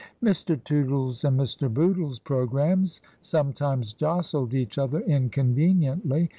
Mr. Tootle's and Mr. Bootle's programmes sometimes jostled each other inconveniently.